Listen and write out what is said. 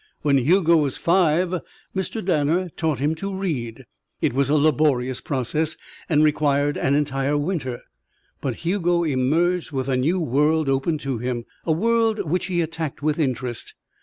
When Hugo was five, Mr. Danner taught him to read. It was a laborious process and required an entire winter. But Hugo emerged with a new world open to him a world which he attacked with interest.